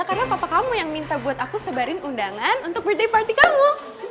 karena papa kamu yang minta buat aku sebarin undangan untuk birthday party kamu